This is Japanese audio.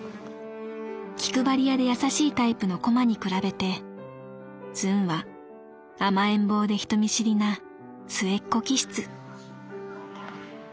「気配りやで優しいタイプのコマに比べてズンは甘えん坊で人見知りな末っ子気質」。